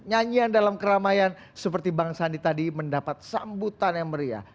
nyanyian dalam keramaian seperti bang sandi tadi mendapat sambutan yang meriah